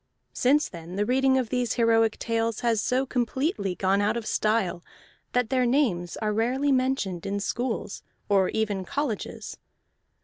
Since then the reading of these heroic tales has so completely gone out of style that their names are rarely mentioned in schools or even colleges.